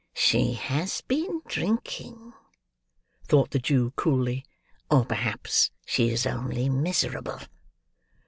"She has been drinking," thought the Jew, cooly, "or perhaps she is only miserable."